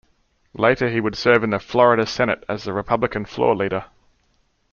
Later he would serve in the Florida Senate as the Republican Floor Leader.